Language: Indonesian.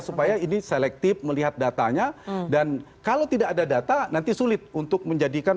supaya ini selektif melihat datanya dan kalau tidak ada data nanti sulit untuk menjadikan